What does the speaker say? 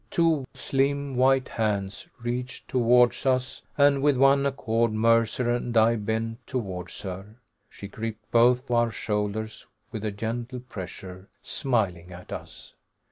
Two slim white hands reached towards us, and with one accord, Mercer and I bent towards her. She gripped both our shoulders with a gentle pressure, smiling at us.